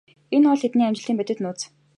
Энэ бол тэдний амжилтын бодит нууц.